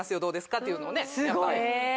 っていうのをね